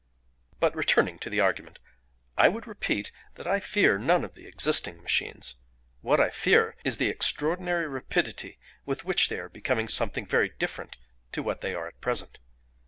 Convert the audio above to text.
"But returning to the argument, I would repeat that I fear none of the existing machines; what I fear is the extraordinary rapidity with which they are becoming something very different to what they are at present.